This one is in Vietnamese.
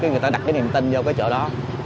người ta đặt cái niềm tin vào cái chỗ đó